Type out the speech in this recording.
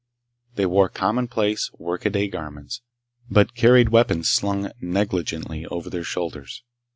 They wore commonplace, workaday garments, but carried weapons slung negligently over their shoulders.